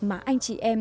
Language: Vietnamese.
mà anh chị em